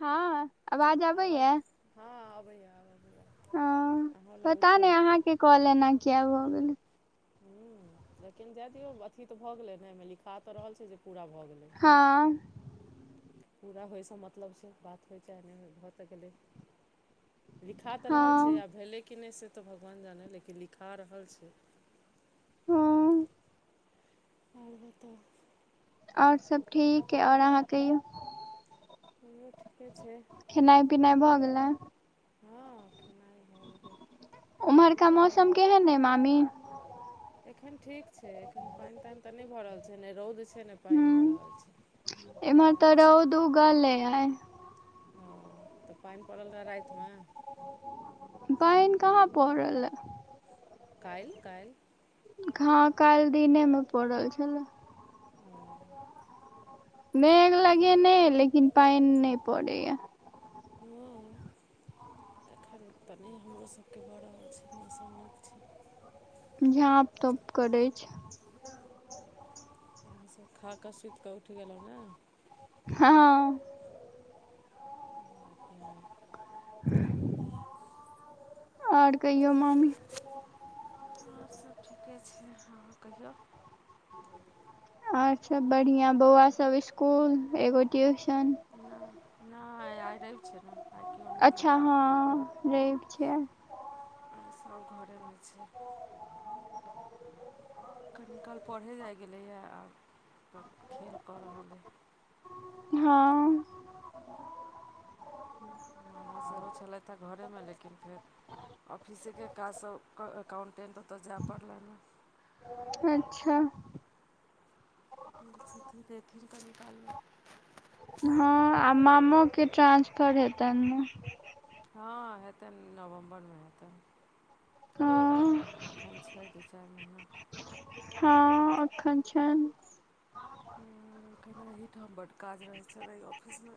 हँ आवाज [inaudible] हँ अबैये अब अबैये हँ पता नहि अहाँकेँ कॉल एना किया भऽ गेलै [inaudible] लेकिन जाय दियौ अथी तऽभऽगेलै ने यै मे लिखा तऽ रहल छै जे पूरा भ गेलै हँ पूरा होइसँ मतलब छै बात होइ चाह नहि भऽ तऽ गेलै लिखा तऽ रहल छै आ हँ भेलै कि नहि से तऽ भगवान जानै लेकिन लिखा रहल छै हूँ [inaudible] और सभ ठीक अइ और अहाँ कहियो एम्हरों ठीके छै खेनाइ पिनाइ भऽ गेलैय हँ खेनाइ भऽ गेलै ओम्हरका खेनाइ मौसम भऽ कऽ केहेन ए मामी एखन ठीक छै एखन पाइन ताइन तऽ नहि भऽ रहल छै नहि रौद छै नहि पाइन हूंम्म भऽ रहल छै [inaudible] इम्हर नीक तऽ मौसम छै [unintelligible] अ तऽ पाइन पड़ल रहे रात मे पाइन कहाँ पड़ल ए काइल काइल हँ काइल दिने मे पड़ल छलै [unintelligible] मेघ लगेने लेकिन पाइन नै पड़ैय [inaudible] हँ एखन तऽ नै हमरो सबके भ रहल छै मौसम नीक छै झाँप तोप करै छै हम सब खा कऽ सुत कऽ उठि गेलै ने हँ [inaudible] [inaudible] और कहियो मामी सब ठीके छै हँ कहियो और सब बढ़िया बौआ सब इसकुल एगो ट्यूशन नै आइ रैव छै न आइ केओ नै अच्छ हँ रैव छै आइ आइ सब घरे में छै कनि काल पढ़े जाइ गेलैए आब [inaudible] खेल कऽ रहल अइ हँ मामा सेहो छलैथ घरेमे लेकिन फेर ऑफिसेकेँ काज स क अकाउंटेन्ट ओत जाय पड़लैन है अच्छा [unintelligible] हँ आ मामो केँ ट्रान्सफर हेतैन न हँ हेटैन नवम्बर मे हेतैन हँ एखन छै दू चारि महिना हँ अखन छनि हँ अखैन एहिठाम बड काज रहै छनि अइ ऑफिस में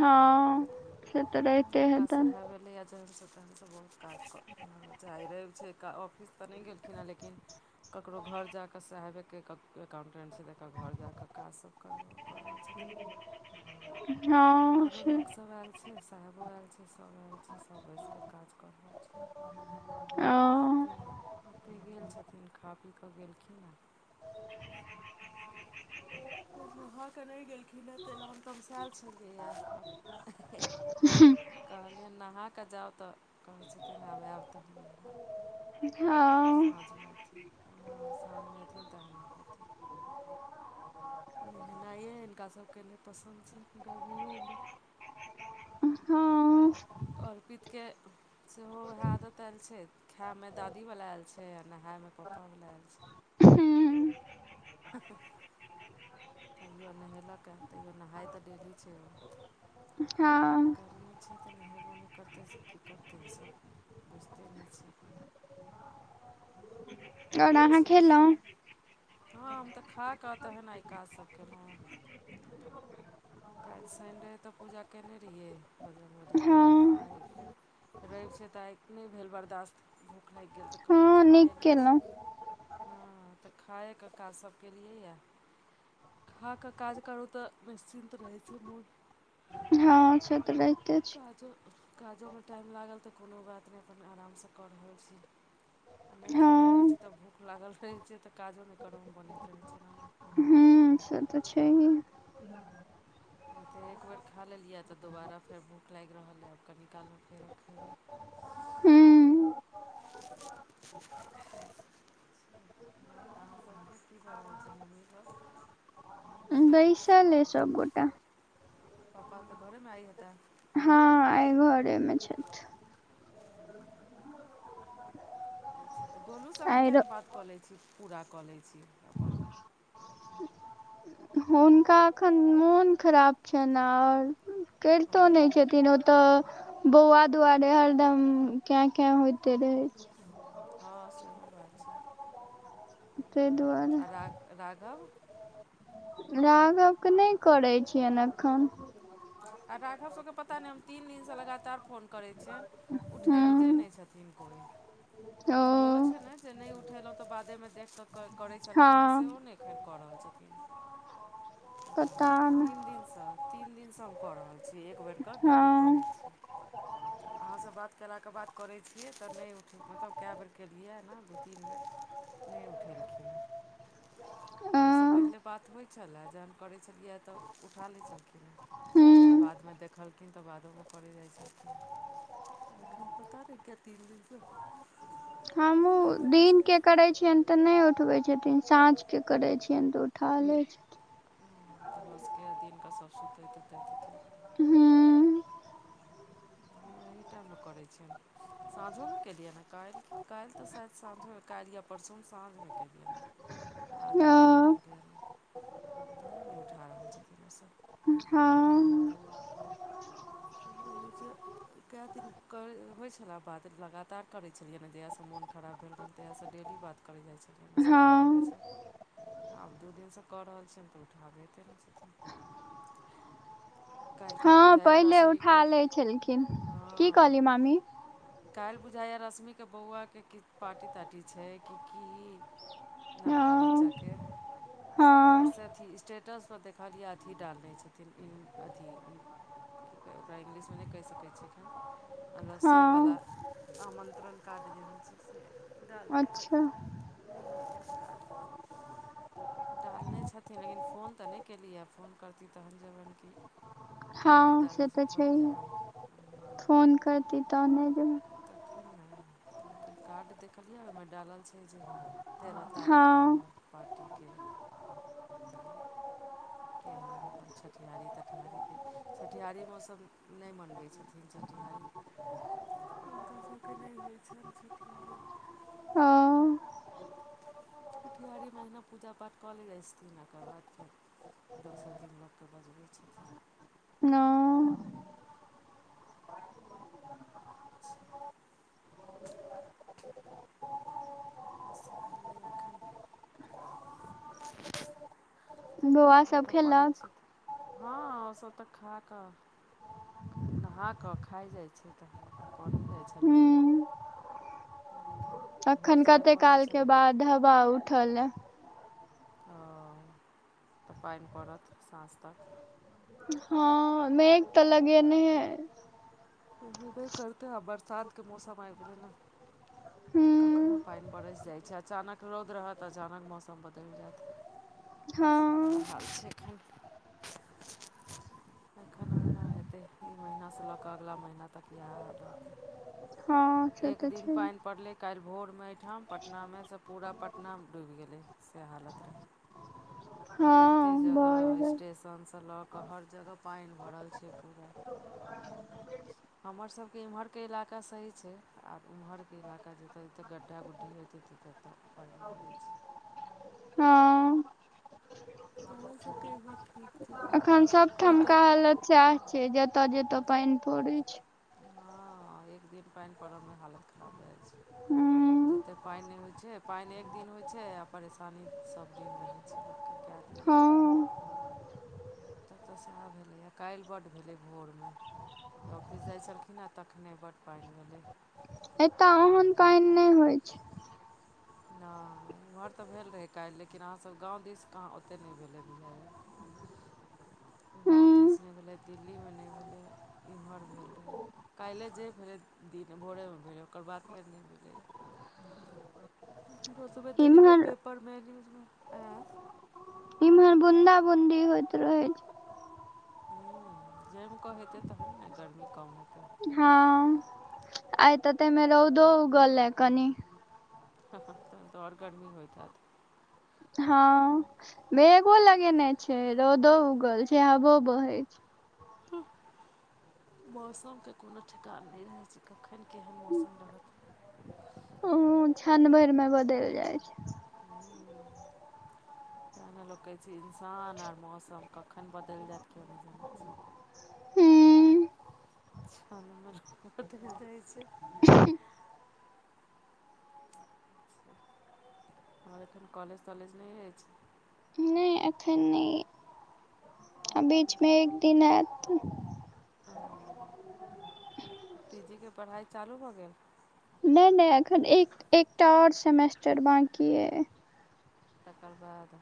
हँ से तऽ रहै [unintelligible] [inaudible] बहुत काज [inaudible] आइ रवि छै क ऑफिस तऽ नहि गेलखिनहें लेकिन ककरो घर जा क साहेबेके [unintelligible] अकाउंटेंट छै तेकर घर जा क काजसभ [unintelligible] क रहल छथिन हँ आरो से लोकसभ आयल छै साहेबो आयल छै सभ आयल छै सभ बैस कऽ काज कऽ रहल छै ओ ओत ओतय गेल छथिन खा पी कऽ गेलखिन हँ उ नहा कऽ नहि गेलखिन हेँ ताहि लए हम तमसायल छलियैए कहलियैन नहा कऽ जाउ तऽ कहै छथिन आब एब [inaudible] हँ साँझमे [unintelligible] हँ साँझमे एथिन [unintelligible] नहेनाइए हिनका सभके नय पसन्द छैनि गरमियों में हँ अर्पितिके सेहो उएह आदत आयल छै खायमे दादीवला आयल छै आ नहाायमे पपावला आयल छै हँ हँ तैयो नहेलकए तैयो नहाइ तऽ डेली छैय हँ गरमी छै तऽ नेहेबो नै करतै से की करतै ई सब बुझते नै छैय आओर अहाँ छै खेलहुं हँ हम तऽ खा कऽ तहन आइ काज सभ केलहुँ हेँ काल्हि शनि रहय तऽ पूजा कयने रहियै बजरङ्गलीके रहय तऽ हँ आइ कऽ रवि छै तऽ आइ नहि भेल बर्दास्त भूख लागि गेल तऽ कहलियै हँ नीक खाये लै छी केलहुँ हँ तऽ खाायके काज सब केलियैए खा कऽ काज करू तऽ निश्चिन्त रहै छै मोन हँ से तऽ रहिते छैय काजो काजोमे टाइम लागल तऽ कोनो बात नहि अपन आरामसँ कऽ रहल छी नै खेने हँ रहैत छै तऽ भूख लागल रहैत छै तऽ काजो नै करऽमे बनैत रहैत छै नऽ हूँ से तऽ छैहे हम तऽ एक बेर खा लेलियै तऽ दोबारा फेर भूख लागि रहल अइ आब कनीकालमे फेरो खेबै हूँ अहाँके सभके की भऽ रहल छै ममी कऽ बैसल अइ सब गोटा पापा तऽ घरेमे आइ हेता हँ आइ घरेमे छथि गोलूसँ अहाँ आइ किए र नहि बात कऽ लैत छी पूरा कऽ लैत छी अपन हुनका एखन मोन खराब छैन ओ चैलतो नै छथिन ओतऽ बौआ दुआरे हरदम क्यं क्यं होते रहे छैय हँ सेहो बात छै ताहि दुआरे आ राघव राघव कऽ नै करै छियनि एखन आ राघव सभके पता नहि हम तीन दिनसँ लगातार फोन करै छियनि उठाबते नै हूँ छथिन कोइ ओ इयो छै ने जे नहि उठेलों तऽ बादे में देख कऽ करै छलखिन हे हँ सेहो नहि एखन कऽ रहल छथिन [inaudible] पता नै तीन दिन सऽ तीन दिन सऽ हम कऽ रहल छी एक बेर कऽ डेली हँ करै छी [inaudible] अहाँ स‌ऽ बात केला कऽ बात करै छियै तऽ नहि उठै मतलब कै बेर केलियए ना दू तीन बेर नै उठेलखिन हँ आ अ ओइस पहिले बात होइ छलए जखन करै छलियै तऽ उठा लै छलखिन है चाहे हूँ बादमे देखलखिन तऽ बादोमे करै जाइ छलखिन एखन पता नै किए तीन दिन स दिन केँ छलखिन करै छियन तऽ नहि उठबै छथिन साँझ केँ करै छियन तऽ उठा लै छै भसके दिन कऽ सभ सुतैत उतैत हेतिन हूँ कोन टाइममे करै छियनि साँझोमे केलियैने है काइल तऽ शायद साँझो काइल या परसू हम साँझमे केलियैन आ दिनो ओ केलियन [inaudible] फोने नै उठा रहल छथिन ओ सब हँ [unintelligible] कए दिन कै होइ छले बात लगातार करैत छलियै जहियासँ मोन खराब भेल रहलनि तहियास डेली बात करै जाइ छलियन है सपना हँ दीदीसँ आब दू दिनसँ कऽ रहल छियन तऽ उठाबैते नै छथिन [unintelligible] काइल खन हँ बुझाइए पहिले उठा रश्मिके लै छलखिन [inaudible] की हँ कहली मामी काइल बुझैये रश्मिके बौआ केँ किछ पार्टी ताटी छै कि की हँ नवका बच्चा केँ हँ मैसेज अथि स्टेटस पर देखलियै अथि डालने छथिन अथि तऽ ओकरा इंग्लिशमे नहि कहि सकय अखन अगसे हँ वला [inaudible] आमन्त्रण काड जे होइ छै से डालने अच्छा छथिन [inaudible] निमंत्रण कार्ड। डालने छथिन लेकिन फोन तऽ नै केली है फोन करती तखन जेबैन कि कार्ड हँ से डालऽसँ तऽ थोड़े छैहे जेबनि [inaudible] फोन करती तहने जबै तखैन ना लेकिन कार्ड देखलियैये ओहिमे डालल छै जे तेरह तारीख हँ कऽ पार्टी केँ तऽ [inaudible] तहिना अपन छठिहारी तठिहारीके छठिहारी मे ओ सब नहि मनबै छथिन छठिहारी। हुनकर सब कऽ नै होइ छैन छठिहारी। ओ छठिहारी मे ओहिना पुजा पाठ कऽ लेइ जाइ छथिन ओकर बाद फेर दोसर दिन लोक कऽ बजबै छथिन। नऽ [unintelligible] [unintelligible] बौआ हम सब तऽ पड़य खेलक छलैय [inaudible] हँ ओ सब तऽ खा कऽ नहा कऽ खाइ जाइ छै थै तखन अपन पढ़ै जाइ छलैये। हूँ [unintelligible] अखैन आइ कते पढ़ै कालकेँ छलैए बाद हवा उठ ले हँ [inaudible] तऽ पाइन पड़त सांझ तक। हा हा, मेघ त लगेनैये अति। से हेबे करतै, आब बरसात के मौसम आबि गेलै ने तऽ कखनो हूँ पानि बरसि जाइ छै, अचानक रौद रहत अचानक मौसम बदलि जायत। [inaudible] वै हँ हाल छै एखन एखन ओहिना हेतै इ महिनासं लऽ कऽ अगिला महिना तक इएह हाल रहतै। हँ से एक तऽ दिन छै पानि पड़लै काल्हि भोरमे एहिठाम पटना मे से पुरा पटना बहि गेलै से हालत रहै। हँ कतेक जगह भ स्टेशनसँ लऽ कऽ हर जगह पानि भरल छै पुरा [inaudible] हमर सभके इमहरके इलाका सही छै, आब ओमहरके इलाका जतय जतय गड्ढा गुड्ढी हेतै त जत पाइन भरै छै। ह ओहो सभके घरके अखन सभठामके हालत सएह छै, जतय जतय पानि पड़ै छै। ह, एक दिन पानि पर मे हालत खराब भए जाइ छै हूँ जतेक पानि नहि होइत छै, पानि एक दिन होइत छै आ परेशानी सभ दिन रहैत छै लोक के। उठा दियौ ह तऽ सएह भेलैए काल्हि बड्ड भेलै भोरमे फुस जाइ छलखिन हे तखने बड्ड पानि गेलै एतय ओहन पानि नहि होइ छै। नै एमहर तऽ भेल रहै काल्हि लेकिन अहाँ सभ गाव दिस कहा ओतेक नहि भेलै बुझाइए। गाव दिस हूँ नहि भेलै, दिल्ली मे नहि भेलै, इमहर भेल रहय। काल्हिए जे फेरे दिन भोरे मे भेलै ओकर बाद फेर नहि भेलै ह। र सुबह तरीमे पेपरमे न्यूज मे आय बून्दा बूदी होइत रहै छै। ह जाम कऽ हेतै तहन ने गर्मी कम हेतै ह आइ तऽ तमे रहौ दौ गलै कनी तऽ आओर गर्मी होइतइत ह मेगो लगेने छै रौदो उगल छै हबो बहे छै [inaudible] मौसम के कोनो ठेकान नहि रहैत छै कखन केहन मौसम रहत छान भरि मे बदल जाय छै। [inaudible] तऽ ने लोक कहै छी इन्सान आर मौसम कखन बदलि जायत केओ नहि जानै छै हू। जा छै हमर एखन कलेज तलेज नहि रहे छै नै एखन। बीच मे एक दिन आयत हैं पी जी के पढ़ाइ चालू भऽ गेल नहि नहि अखन एक एकटा ओर सेमेस्टर बकी अइ तकर बाद।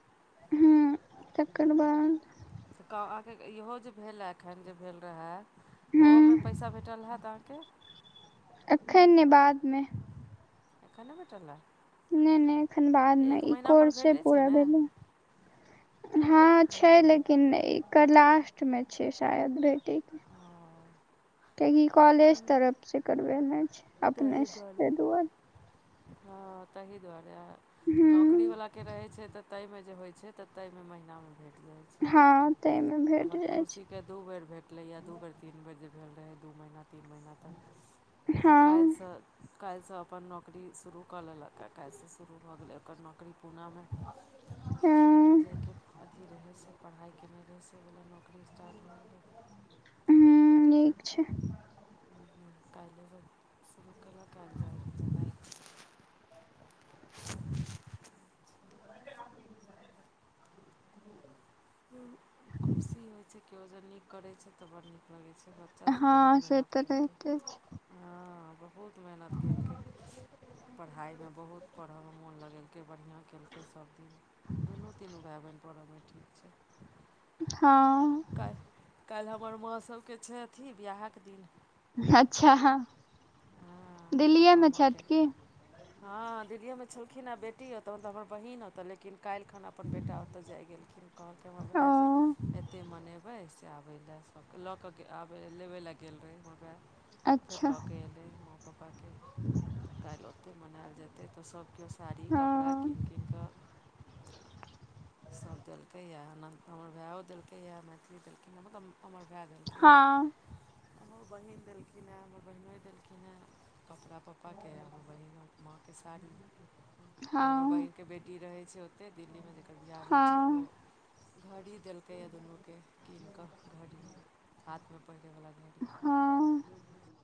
तेकर बाद से कह अहाँकेँ इहो जे भेलए एखन जे भेल रहए हूं ओहोमे पैसा भेटल हैत अहाँकेँ। एखन नहि बादमे एखन नहि बटल या नहि नहि एखन बाद मे ई कोर छै भेटै पूरा ने भेलै हँ छै लेकिन एकर लास्टमे छै शायद ठीक कियकि कॉलेज तरफसँ करबेना छै अपने से दुआ ह ताहि दुआरे नौकरी हूं वलाके रहैत छै तऽ ताहिमे जे होइत छै तऽ ताहिमे महिना मे भेट जाइ छै त मे भेट हमर जाइ छै खुशीके दू बेर भेटलैए दू बेर तीन बेर जे भेल रहै दू महीना तीन महीना तक। हँ कालसँ। कएलसँ अपन नौकरी शुरू कऽ लेलक हँ काल्हिसँ शुरू भऽ गेलै ओकर नौकरी पुनामे ह जाइके अथी रहै से पढ़ाइ केने रहै से ओहि नौकरी स्टार्ट होइ। हू नीक छै। कलुरू कल कैब ज खुशी होइत छै कि ओज नीक करै छै तऽ बड़ नीक लगै छै। से बच्चा सभ हँ बहुत से मेहनत तऽ केलकै रहिते छै हँ बहुत मेहनत केलकै पढ़ाइ मे बहुत पढ़य मे मोन लगेल कै बढ़िआ केलकै सभ दिन दुनू तीनू भाय बहिनप अबै ठीक छै ह काल काल्हि हमर माँ सभके छै अथी बिआहके दिन अच्छा ह पापा माँ के की हँ दिल्लिओमे छलखिन ह आ बेटी हौ तऽ तऽ हमर बहिन होतऽ लेकिन काल्हि खन अपन बेटा ओतऽ जाइ गेलखिन कहलकै हमर भायइ जे ओ एतेक मनेबै स से आबे ले ल के आ लेबे ले गेल रहे। घर फेर अच्छा लऽ के एल माँ पापाके काल्हि ओते मनायल जेतै। तऽ सभ केओ साड़ी कपड़ा कीन हँ कीन क [inaudible] सभ देलकै या हमर भायो देलकै या मैथिली देलखिन ह तब हमर भाय देलकिन। हँ हमर बहिन देलखिन हँ। हमर बहिनो देलखिन ह कपड़ा पप्पा के हमर बहिन माँ के साड़ी फेर हमर हँ बहन के बेटी रहै छै। ओतेक दिल्लीमे जेकर भूआ भेल छै ओ हँ घड़ी देलकैएऽ दुनूके कीन क घड़ी हाथ मे पहिरैवला घड़ी। हँ